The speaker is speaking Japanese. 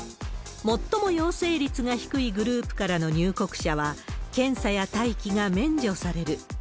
最も陽性率が低いグループからの入国者は、検査や待機が免除される。